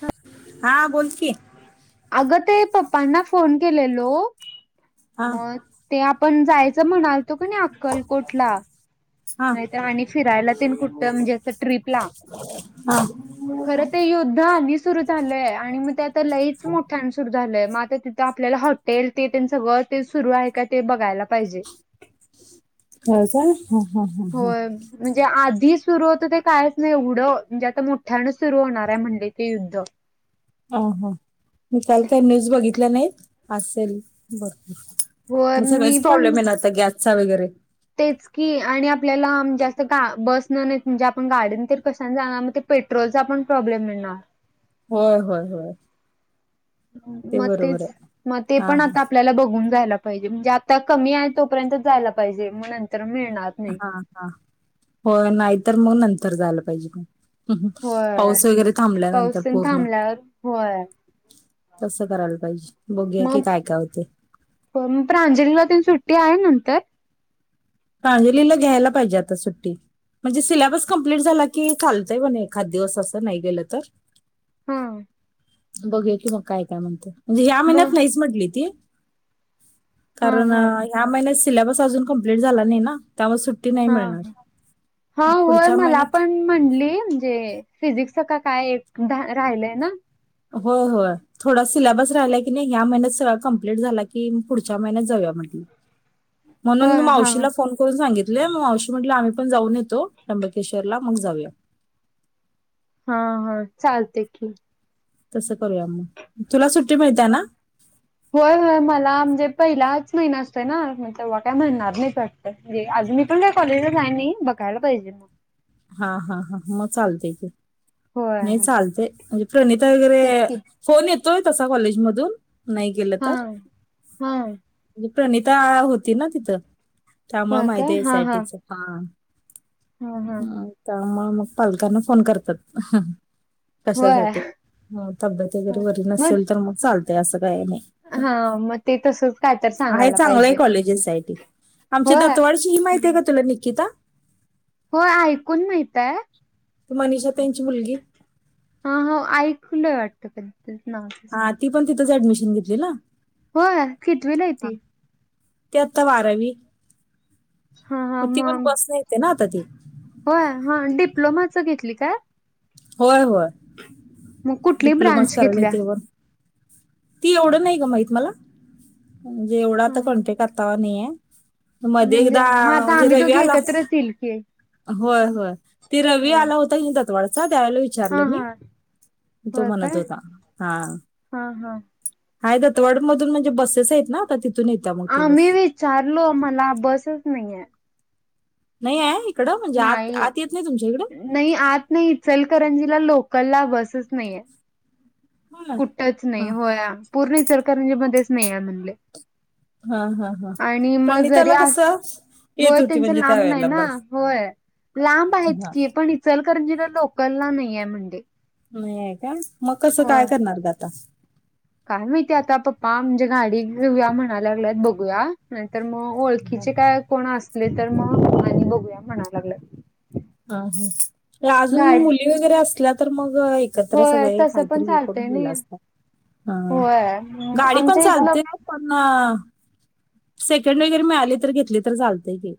हा हा बोल की. अगं ते पप्पांना फोन केलेलो हा म- ते आपण जायचं म्हणालतो क नी अक्कलकोटला? हा नाहीत आणि फिरायला तीन कुठ म्हणजे अस ट्रीपला हा हो खरं ते योद्धा आणि- सुरु झालंय आणि मग ते आ लईच मोठ्या सुरु झालंय मग आ तिथं आपल्याला ह- तेल ते सगळं ते सुरू आहे का ते बघायला पाहिजे? हो का हा -हा- हा -हा होय म्हणजे आधी सुरू होतं ते कायच नाही एवढं म्हणजे आता मोठ्यानच सुरू होणार आहे म्हणले ते युद्ध? ह हा मी काल काय तर न्यूज बघितल्या नाही त असेल बर होय तुझ मी सगळेच पण प्रॉब्लेम आहे ना आता गॅसचा वगैरे? तेच की आणि आपल्याला जास्त ग बस न नाही म्हणजे आपण गाडीन तर कशाने जाणार? पेट्रोलचा पण प्रॉब्लेम येणार! होय होय होय. ते मग बरोबर तेच मग ते आहे हा पण आता आपल्याला बघून जायला? पाहिजे म्हणजे आता कमी आहे तोपर्यंत जायला पाहिजे मग नंतर मिळणार नाही. हा हा हा हो नाहीतर मग नंतर झालं पाहिजे म हम्म होय पाऊस वगैरे पाऊस थांबल्यानंतर तेन पूर्ण. थांबल्यावर होय तस करायला पाहिजे बघुया की काय काय होतय. हो प्रांजलीला तेन सुट्टी आहे नंतर? प्राजलीला घ्यायला पाहिजे आता सुट्टी. म्हणजे सिलेबस कम्प्लीट झाला की चालतय म्हण एखाद दिवस असं नाही गेलं तर हम बघू की मग काय काय म्हणते म्हणजे ह्या मग महिन्यात नाहीच म्हटली ती हा कारण हा ह्या महिन्यात सिलेबस अजून कंप्ललीट झाला नाही ना त्यामुळे सुट हा हा होय मला महिन्यात पण म्हली म्हणजे फिजिक्सच का काय एक राहिलय ना हो हो थोडा सिलेबस राहिला की नाही ह्या महिन्यात सगळळा कं्प्लीट झाला की पुढच्या महिन्यात जाऊया म्हटलं [inaudible] [unintelligible] म्हणून मी होय हा मावशीला फोन करून सांगितले मग अवशी म्हटलं आम्ही पणऊ येतो त्र्यंबकेश्वर ला मग जाऊया हा हा चालते की तसं करूया मग तुला सुट्टी मिळते ना होय होय मला म्हणजे पहिलाच महिना असतोय ना तेव्हा काय म्हणणार नाही च अजून मी पण कॉलेजला जाय नाही बघायला पाहिजे मग हा हा हा मग चालते ते नाही होय चालते म्हणजे प्रणिता वगैरे तेच की फोन येतोय तसा कॉलेजमधून नाही गेलं हा तर हा म्हणे प्रणिता होती ना तिथं त्यामु होय काय माहिती हा एसयटीच हा हा हा ह त्यामुळे मग पालकांना फोन करतात होय कशासाठी तब्येत जरी वरी नसेल तर मग चालतेय असं काही नाही हा मग ते तसच काय तर आहे सांगायला चांगलं आहे पाहिजे कॉलेजेस सा आमच्या होय दतवाडशी ही माहिती आहे का तुला निक्िता हो ऐकून माहितय त मनिषा त्यांची मुलगी हा हो ऐकूलंय वाटतं कद ना हा ती पण तिथंच ऍडमिशन घेतली ना हो खेतवेला य ते ते आता बारावी हा हा मग ती पण बस येते ना आता ती होय हा डिप्लोमाचं घेतली काय होय होय मग कुठली डिप्लोमाच ब्रांच करायला घेतल्या? तेवर ती एवढं नाही ग माहित मला म्हणजे एवढा आता कंटेक आातावा नाहीय मध्ये म्हणजे एकदा मग आता म्हणजे आम्ही रवी दोघी आला एकत्रच येईल की. होय होय ते रवी होय. आला होता क दतवाडाचा त्यावेळेला विच हा विचारलं मी हा तो होय म्हणत काय होता हा हा हा हाय दतवाड मधून म्हणजे बसेस आहेत ना तिथून येत हा मी विचारलो मला बसच नाहीये नाही आहे इकडं म्हणजे आत नाही आत येत नाही तुमच्या इकडं नाही आत नाही चलकरंजीला लोकल ला बसच नाहीये हा कुठच नाही हा हो या पूर्ण सरकार मध्येच नाही या म्हणले हा हा हा आणि मग जरी प्रणिताला कस अस होय त्यांच लांब नाही ना होय लांब आहेतत हा की पण इ सलकररंजीना लोला न्यामंडी नाहीय का मग कसं काय करणार ग आता काय माहिती आता पप्पा म्हणजे गाडी घेऊया म्हणायला लागल्यात बघूया नाही तरर मग हा. ओळखीचे काय कोण असले तर मग आणि बघूया म्हणाव लागले हा ह अजून मुली वगैरे असल्या तर मग एकत्र होय सगळे तसं पण काहीतरी व करून चालतंय गेलं नाही असतात ह होय गाडी पण आमच्या इथलं चालते पण सेकंड वगैरे मिळाले तर घेतले तर चालतेय की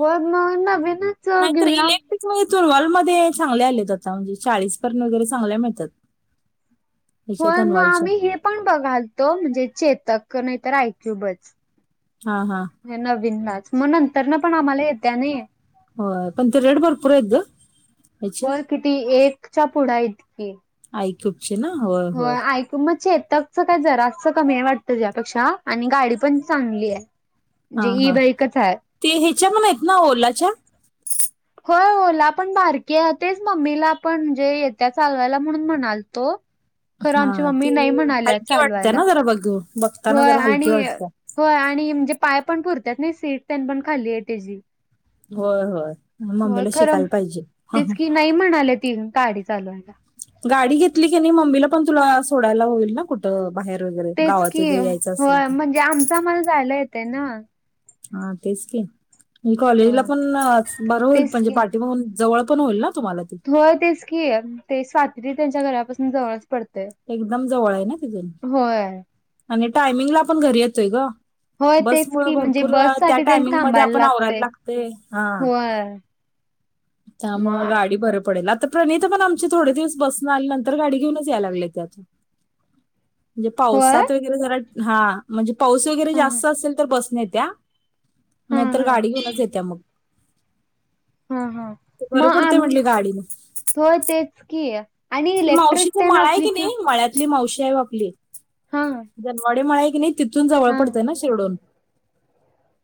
होद नव ना बिन नाहीत तर इलेक्ट्रिक म्हणजे तुनवाॉलमध्येध्ये चांगले आलेत आता म्हणजे चाळीस पर्यंत वगैरे चांगल्या मिळतात ह्याच्या होय मग तनवालच्या आम्ही हे पण बघालतो म्हणजे चेतक नाही तर ऐकू बच हा हा नवीनलाच मग नंतर ना पण आम्हाला येत्या नाही हो पणर एर्ड बार पुरा येतो होर किती एकच्या पुढा इतकी ऐकूपचे ना होय होय कु मग ेतकच काय जराचं कमी आहे वाटत ज यापेक्षा आणि गाडी पण चांगली आहे हा म्हणजे ई हा बाईकच आहे. ते ह्याच्या मण आहेत ना ओलाच्या होय ओला पण बारकीे आहे तेच मम्मीला आपण म्हणजे येत्या चालवायला म्हणून म्हणाल तो खरं हा आमची मम्मी ते नाही म्हणाल्या हलकी वाटते चालवायला ना बघ ब होय आणि होय आणि म्हणजे पाय पण पुरतात नाही सीट पन पण खाली आहे त्याची होय होय होय मम्मीला खरं शिकायला पाहिजे तेच की नाही म्हणाले ती गाडी चालवून गाडी घेतली की नाही मम्मीला पण तुला सोडायला होईल ना कुठे बाहेर वगैरे गावात वगैरे यायचं असेल तर मला जायला येते ना हा तेच की म कॉलेजला हो पण बरं होईल तेच म्हणजे पाठी बघून जवळ पण होईल ना तुम्हाला ती हो तेच की ते स्वात्री त्यांच्या घरापासून जवळ असते एकदम जवळ आहे ना तिथून होय आणि टायमिंगला आपण घरी येतोय ग होय तेच बसमुळे की म्हणजे भरपूर अ, बस त्या साठी त्यां टायमिंग मध्ये थांबायला आपण लागते आवरायला हा होय ह त्यामुळे गाडी भर पडेल आता प्रणिता पण आम थोडे दिवस बसं आल्यांत गाडी घऊनच याय लागत म्हणजे होय पावसात वगैरे जरा हा म्हणजे पाऊस वगैरे ह जास्त असेल तर बस न येत्या ह नाहीतर ह गाडी घेऊनच येत्या मग हा हा ते बरं मग पडतंय आम् म्हटली गाडीनं. थोय तेच कि त मावशी तर मळा आहे की नाही मळ्या आपली मावशी आहे बापली हा दनवाडे मळा आहे की नाही तिथून जवळ हा पडतंय ना शिरडोून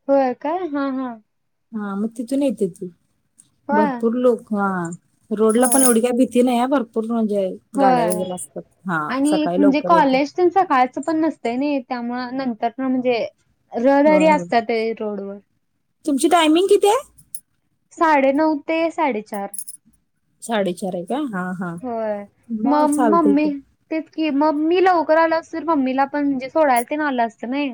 होय काय हा हा हा मग तिथून येते तू होय भरपूर लोक हा रोडला होय पण एवढी्या भीती नाही भरपूर म्हणजे गाड्या होय वगैरे असतात हा सकाळी लवकर येत च काायचं पण नसतं नाही त्यामु नंतर म्हणजे ररारी होय, होय. असतात रोडवर तुमची टायमिंग किती आहे साडे नऊ ते साडेचार साडेचार आहे का हा हा म चाल तथ ते कि मम्मी लवकर आलं असते तर मम्मीला पण जे सोडायला ते ना आलं असतं नाही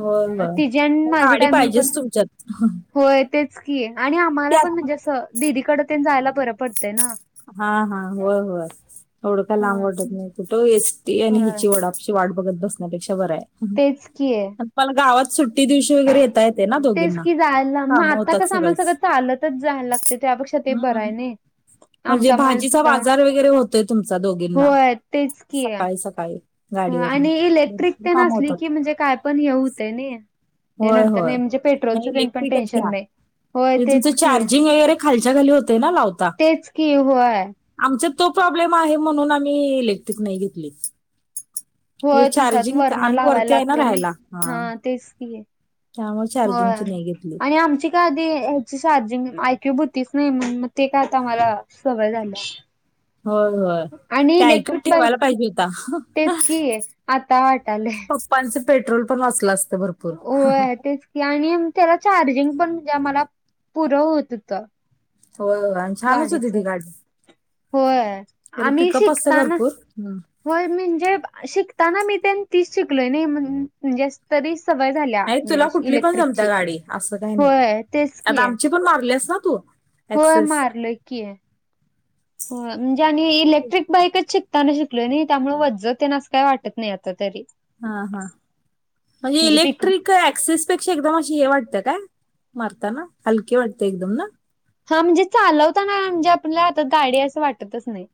हो मग तिची आणि म माझी गाडी टायमिंग पण पाहिजेच तुमच्यात होय तेच की आणि आम्हाला पण म्हणजे त्यात असं दिदीकड ते जायला बरं पडतंय ना हा हा होय होय थोडं का लांब होय वाटत नाही कुठं एचटी आणि होय हिची डा बत बपेा तेच की ब तेच कि जायला म कामं आता होतात कस आम्हाला सगळीच सगळं चालतच जायला लागते त्यापेक्षा ते बरा हम्म आहे नाही म्हणजे आमचा मध भाजीचा जाऊन बाजार वगैरे होतोय तुमचा दोघींना होय सकाळी सकाळी हो गाडीवरनं आणि इलेक्ट्रिक भरपूर ते कामं नसली होतात की म्हणजे काय पण हे होतं नाही हे होय नंतर होय नाही म्हणजे नाही पेट्रोलचं तेन पण इलेक्ट्रिकच टेन्शन घ्या नाही. होय म्हे तुमच तेच की चार्जिंग वगैरे खालच्या खाली होते ना लावता तेच की होय. आमचा तो प्रॉब्लेम आहे म्हणून आम्ही इलेक्ट्रिक नाही घेतली म्हणजे होय तुमच्यात चार्जिंग वरणे आम्ही लावायला वरती आहे लागते ना राहायला हा तेच त आहे त्यामुळे हो चार्जिंगची नाही घेतली आणि आमची का आधी ह्याची चार्जिंग ऐक्यू होती नाही म्हणे मग ते काय आता मला सवय झालं होय होय ते आय क्यू बाईक ठेवायला पाहिजे होता तेच की आता वाटालय. णच पेट्रोल पण वाचलं असतं बर होय तेच की आणि त्याला चार्जिंग पण म्हणजे आम्हाला पुरं होत होत हो छानच होती ती गाडी होय. तरी आम्ही पिकअप असत शिकताना भरपूर ह होय म्हणजे शिकताना मी त्यां तीच शिकलोय नाही म्हजे तरी सवय झाल्या आणि तुला म्हज कुठली पण इलेक्ट्रिकची जमत्या गाडी असं काही नाही होय तेच की आता आहे आमची पण मारलेस ना तू होय ऍक्सेस मारलं की आहे हो म्हणजे आणि इलेक्ट्रिक बाईकच शिकताना शिकलोय नाही त्यामुळे वजजते ना असं काही वाटत नाही आता तरी हा हा म्हणजे इलेक्ट्रिक ऍक्सिस पेक्षा एकदम अशी हे वाटतं का मरताना हलकी वाटते एकदम ना हा म्हणजे चालवताना म्हणजे आपल्याला आता गाडी असं वाटतच नाही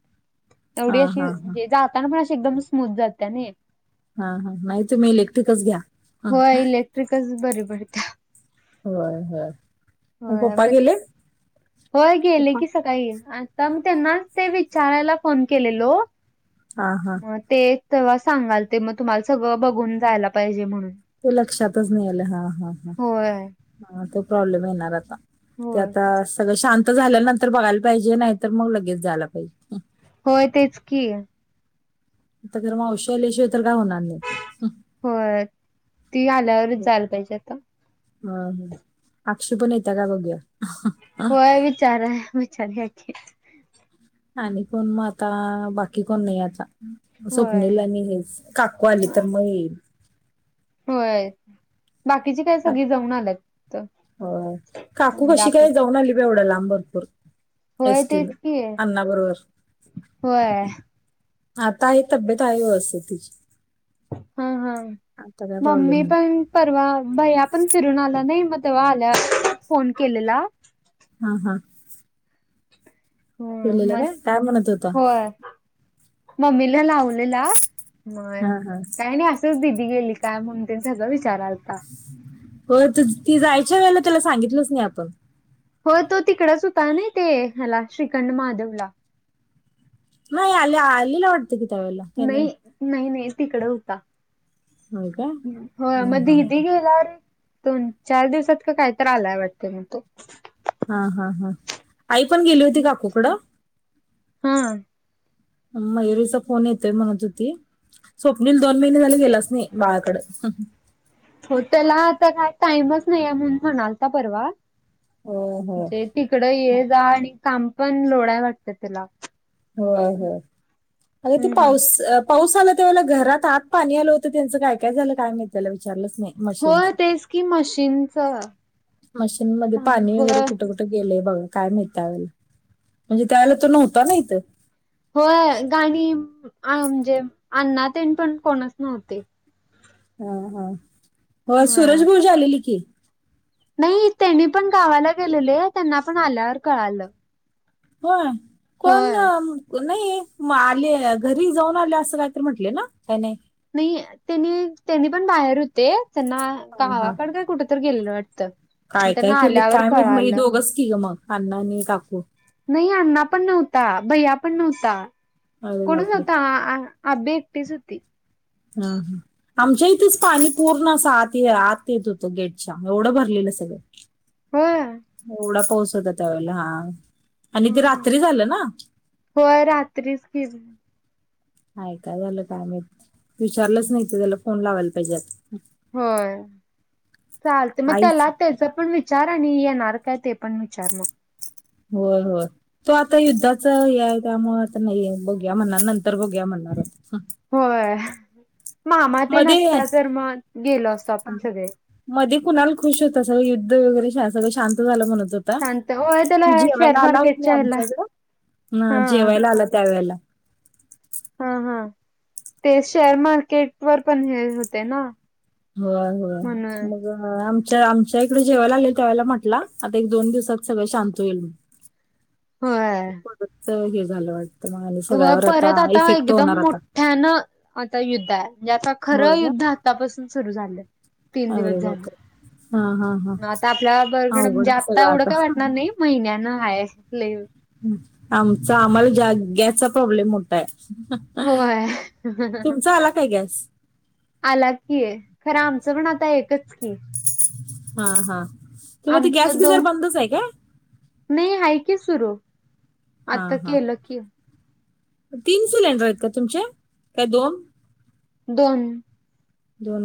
हा एवढी हा हा अशीे जाताना पण अशी एकदम स्मूथ जाते ना हा हा नाही तुम्ही इलेक्ट्रिकच घ्या होय इलेक्ट्रिकच बरी पडतीया. होय होय म होय पप्पा मग गेले? होय गेले पप्पा. की सकाळी आता मी त्यांना ते विचारायला फोन केलेलो हा हा. मग ते एक तेव्हा सांगायलते मग तुम्हाला सगळं बघून जायला पाहिजे म्हणून. ते लक्षातच नाही आलं हा हा होय हा तो प्रॉब्लेम येणार आता. ते होय आता सगळं शांत झाल्यानंतर बघायला पाहिजे नाहीतर मग लगेच जायला पाहिजे. होय तेच की. आता खर मग मावशी आल्याशिवाय तर काय होणार नाही हं. होय ती आल्यावरच जायला पाहिजे आता. हा हं आक्षू पण येतीया काय बघूया. होय विचाराय विचारूया की आणि कोण मग आता बाकी कोण नाही आता म होय स्वप्निल आणि हेच. काकू आली तर मग येईल. होय बाकीची काय सगळी जाऊन आल्यात तिथं. होय काकू कशी काय जाऊन आली बाई एवढ्या लांब भरपूर. होय एसटीनं तेच की आण्णाबरोबर. होय. आता आहे तब्येत आहे व्यवस्थित तिची. हा हा आता काय प्रॉब्लेम मम्मी नाही पण परवा भैया आपण फिरून आला नाही मग तेव्हा आल्यावर फोन केलेला. हा हा. हम गेलेला काय मग काय म्हणत होता होय. मम्मीला लावलेला हा मग हा काही नाही अस च दिदी गेली काय म्हणून तेन सगळं विचारायलता. हो त ती जायच्या वेळेला त्याला सांगितलंच नाही आपण. होय तो तिकडच होता नाई ते ह्यला श्रीखंड महादेवला. नाही आल आलेला वाटत की त्यावेळेला काय नाई. नाई नाई तिकडं हुता. होय का होय हा म हा दिदी गेल्यावर एक दोन चार दिवसात का काय तर आलाय वाटत मग तो हा हा हा आई पण गेली होती काकुकडं हा. मयुरीचा फोन येतोय म्हणत होती. स्वप्नील दोन महिने झाले गेलाच नाही बाळाकड हं हं. हो त्याला आता काय टाईमच नाहीये म्हणून म्हणायलता परवा हो हो म्हणजे तिकड ये जा आणि काम पण लोडाय वाटतं त्यला हो हो अग ते हम्म. पाऊस अ प पाऊस आला त्यावेळेला घरात आत पाणी आलं होतं त्यांचं काय काय झालं काय माहित त्याला विचारलंच नाही. होय मशीनचं तेच की मशीनच मशीनमध्ये पाणी वगैरे होय. कुठं कुठं? गेलयं बघा काय माहित त्या वेळेला म्हणजे त्यावेळेला तो नव्हता ना इथं. होय गाणी अ आ म्हणजे अण्णा तेन पण कोणच नव्हते. हा हा हो होय. सुरज भाऊजी आलेली की नाही त्यांनी पण गावाला गेलेले त्यांना पण आल्यावर कळालं. होय कोण? होय. नाही म आले घरी जाऊन आलेय असं काहीतर म्हटले ना काय नाही. नाही त्यांनी त्यांनी पण बाहेर होते. त्यांना हा हा गावाकडं काय कुठ तर गेलेलं वाटतं. मग काय काय त्यांना केलीत आल्यावर काय माहित मग ही कळालं दोघच की ग मग अण्णा आणि काकू नाही अण्णा पण नव्हता भैया पण नव्हता अरे कोण बापरे नव्हता. अबे एकटी सध हा हा. आमच्या इथेच पाणी पूर्ण असं आत आत येत होतं गेटच्या एवढं भरलेलं सगळं. होय. एवढा पाऊस होता त्यावेेळेला हा आणि ते हं हं. रात्री झालं ना. होय रात्रीच के आहेय काय झालं कायम विचारलंच नाही तर त्याला फोन लावायला पाहिजेत. होय चालते मग आईच त्याला त्याचा पण विच विचारा नय नर कायात यपण विचार म होय होय. तो आता युद्धाचा हे आहे त्यामु आता नाही बघ्या म्हणणार नंतर बघ्या म्हणणार. होय मामा ते मध्ये नसता तर मग गेलो असतो हा, आपण सगळे मध्ये कुणाला खुश होतं सगळ युद्ध वगैरे सगळं शांत झालं म्हणत. शांत होय त्याला तू शेअर जेवायला आला हो मार्केटच्या ह्याला आमच्याकडं हा जेवायला आला त्यावेेळेला हा हा ते शेअर मार्केट वर पण हे होते ना. होय होय म्हणून मग आमच्या आमच्या इकडे जेव्हा ला आलेल तेव्हाला म्हटलं आता एक दोन दिवसात सगळं शांत होईल ह. म्ह हे झालं आज परत आता एकदम आता मोठ्यानं आता युद्ध आहे म्हणजेता खरं होय का युद्ध तापासून सुरू झालं. तीन दिवस अरे झाले बापरे हा हा हा मग आता आपल्या बरकड अवघड म्हणजे आहे आता सगळं एवढं काय वाटणार नाही. म इनानं खय अस. आमचा आम्हाला गॅसचा प्रॉब्लेम मोठाय. होय तुमचा आला काय गॅस आला की आहे खरं आमचं पण आता एकच की हा हा. तेव्हा ते आमच गॅस दो गिझर बंदच आहे काय नाही आहे की सुरू हा आता हा केलं की तीन सिलेंडर आहेत का तुमचे काय दोन दोन दोन